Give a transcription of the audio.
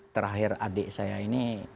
terakhir adik saya ini